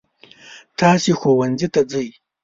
تاسې ښوونځي ته ځئ.